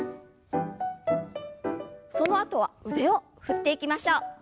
そのあとは腕を振っていきましょう。